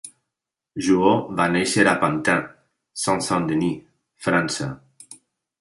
Jouhaux va néixer a Pantin, Seine-Saint-Denis, França.